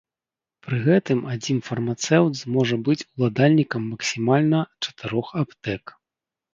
Пры гэтым адзін фармацэўт зможа быць уладальнікам максімальна чатырох аптэк.